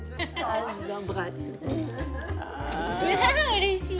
うれしい！